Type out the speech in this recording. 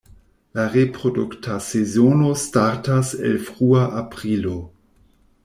La reprodukta sezono startas el frua aprilo.